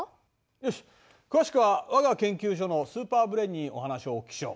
よし詳しくはわが研究所のスーパーブレーンにお話をお聞きしよう。